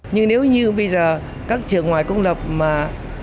nhưng nếu như bây giờ các trường ngoài công lập mà không có trường tư thục